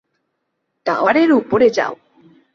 টাওয়ারের উপরে যাও।